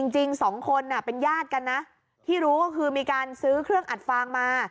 จริงสองคนเป็นญาติกันนะที่รู้ก็คือมีการซื้อเครื่องอัดฟางมา